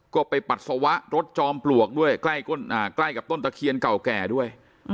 ก็ไปปัสสาวะรถจอมปลวกด้วยใกล้กับต้นตะเคียนเก่าแก่ด้วย